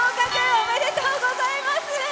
おめでとうございます。